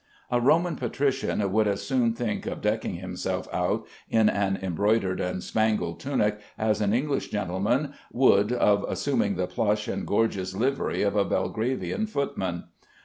A Roman patrician would as soon think of decking himself out in an embroidered and spangle tunic, as an English gentleman would of assuming the plush and gorgeous livery of a Belgravian footman.